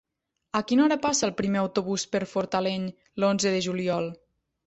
A quina hora passa el primer autobús per Fortaleny l'onze de juliol?